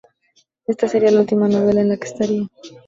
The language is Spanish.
Esta seria última novela en la que estaría.